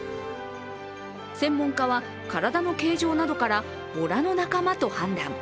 専門家は、体の形状などからボラの仲間と判断。